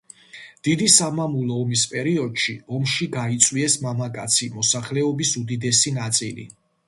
დიდი სამამულო ომის პერიოდში ომში გაიწვიეს მამაკაცი მოსახლეობის უდიდესი ნაწილი.